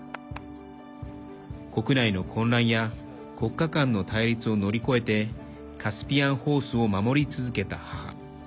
国内の混乱や国家間の対立を乗り越えてカスピアンホースを守り続けた母。